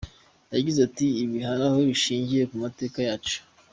Yagize ati “ Ibi hari aho bishingiye mu mateka yacu.